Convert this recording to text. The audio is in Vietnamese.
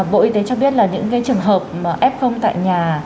bộ y tế cho biết là những cái trường hợp ép không tại nhà